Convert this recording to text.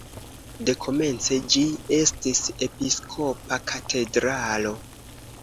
Dekomence ĝi estis episkopa katedralo.